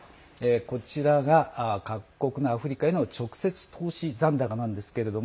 こちらが各国のアフリカへの直接投資残高です。